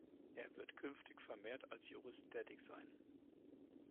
Er wird künftig vermehrt als Jurist tätig sein.